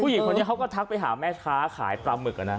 หญิงคนนี้เขาก็ทักไปหาแม่ค้าขายปลาหมึก